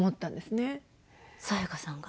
さやかさんが？